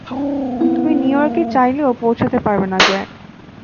তুমি নিউইয়র্কে চাইলেও পৌঁছতে পারবে না, জ্যাক!